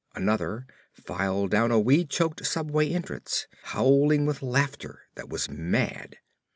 Another filed down a weed choked subway entrance, howling with a laughter that was mad.